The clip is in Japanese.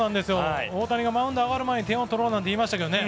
大谷がマウンドに上がる前に点を取ろうなんていいましたけどね